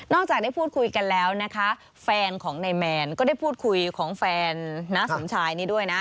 จากได้พูดคุยกันแล้วนะคะแฟนของนายแมนก็ได้พูดคุยของแฟนน้าสมชายนี้ด้วยนะ